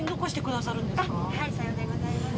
はいさようでございます。